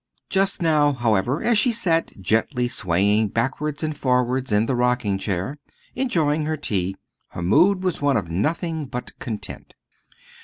Just now, however, as she sat gently swaying backwards and forwards in the rocking chair, enjoying her tea, her mood was one of nothing but content.